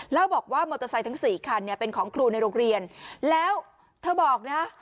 แล้วบอกว่ามอเตอร์ไซค์ทั้งสี่คันเนี่ยเป็นของครูในโรงเรียนแล้วเธอบอกนะ